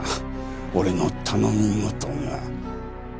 俺の頼み事が。